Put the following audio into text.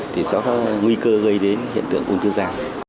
thì do đó có nguy cơ gây đến hiện tượng ung thư gia